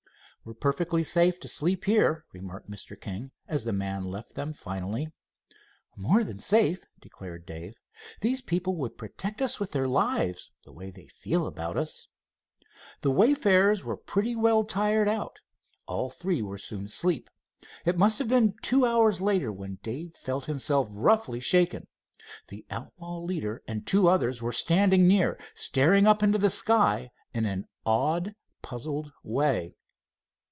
"We're perfectly safe to sleep here," remarked Mr. King, as the man left them finally. "More than safe," declared Dave. "These people would protect us with their lives, the way they feel about us." The wayfarers were pretty well tired out. All three were soon asleep. It must have been two hours later when Dave felt himself roughly shaken. The outlaw leader and two others were standing near, staring up into the sky in an awed, puzzled way.